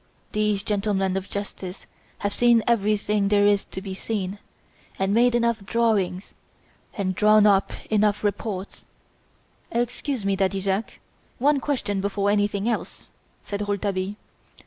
These gentlemen of justice have seen everything there is to be seen, and made enough drawings, and drawn up enough reports " "Excuse me, Monsieur Jacques, one question before anything else," said Rouletabille.